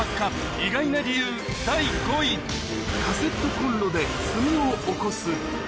意外な理由第５位、カセットコンロで炭をおこす。